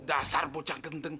dasar bocah gendeng